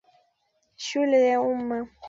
Shule ya Umma.